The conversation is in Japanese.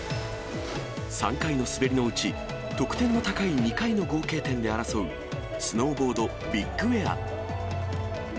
３回の滑りのうち、得点の高い２回の合計点で争うスノーボードビッグエア。